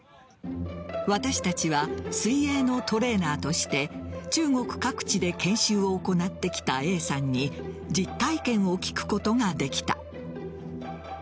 私たちは水泳のトレーナーとして中国各地で研修を行ってきたＡさんに実体験を聞くことができた。